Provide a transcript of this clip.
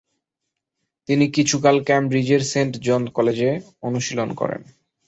তিনি কিছুকাল কেমব্রিজের Saint Jones কলেজে অনুশীলন করেন।